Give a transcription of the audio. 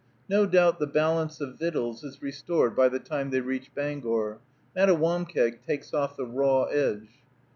No doubt the balance of victuals is restored by the time they reach Bangor, Mattawamkeag takes off the raw edge.